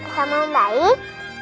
sama om baik